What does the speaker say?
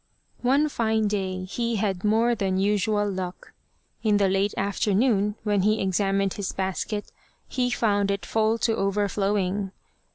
One fine day he had more than usual luck. In the late afternoon, when he examined his basket, he found it full to overflowing.